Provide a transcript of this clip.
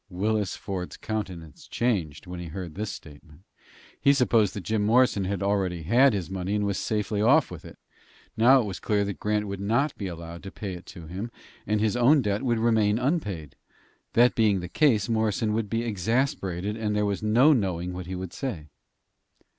Willis Ford's countenance changed when he heard this statement. He supposed that Jim Morrison already had his money and was safely off with it. Now it was clear that Grant would not be allowed to pay it to him, and his own debt would remain unpaid. That being the case, Morrison would be exasperated, and there was no knowing what he would say.